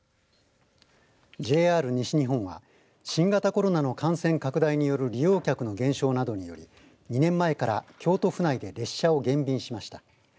ＪＲ西日本は新型コロナの感染拡大による利用客の減少などにより２年前から京都府内で列車を減便しました。